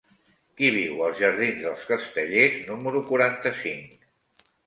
Qui viu als jardins dels Castellers número quaranta-cinc?